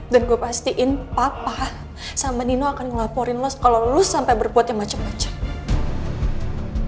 dan gue pastiin papa sama nino akan ngelaporin lo kalau lu sampai berbuat yang macam macam